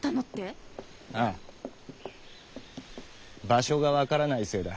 「場所」が分からないせいだ。